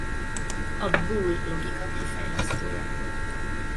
A Boole-logika kifejlesztője.